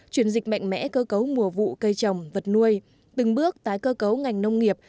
chuyển dịch mạnh mẽ cơ cấu mùa vụ cây trồng vật nuôi từng bước tái cơ cấu ngành nông nghiệp